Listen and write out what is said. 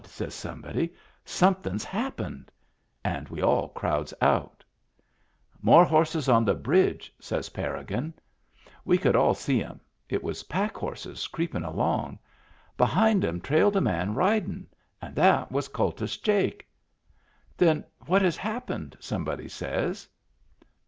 says somebody, " somethin's hap pened." And we all crowds out. " More horses on the bridge," says Parrigin. Digitized by Google WHERE IT WAS 265 We could all see 'em. It was packhorses creepin* along. Behind *em trailed a man ridin\ and that was Kultus Jake. " Then what has happened ?" somebody says.